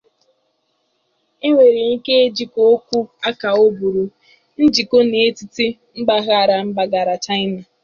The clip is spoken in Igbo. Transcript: Enwere ike ijikọ okwu a ka ọ bụrụ "njikọ n'etiti mpaghara mpaghara China".